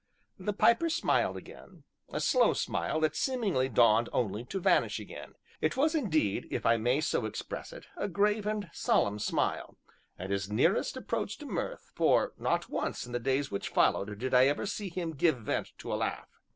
The Piper smiled again a slow smile, that seemingly dawned only to vanish again; it was, indeed, if I may so express it, a grave and solemn smile, and his nearest approach to mirth, for not once in the days which followed did I ever see him give vent to a laugh.